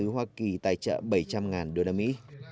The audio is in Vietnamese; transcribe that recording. đại sứ hoa kỳ tài trợ bảy trăm linh đô đa mỹ